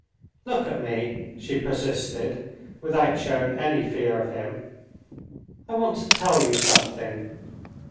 "Look at me," she persisted, without showing any fear of him. "I want to tell you something.